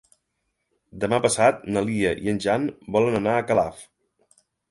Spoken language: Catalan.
Demà passat na Lia i en Jan volen anar a Calaf.